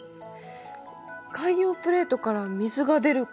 海洋プレートから水が出ることですか？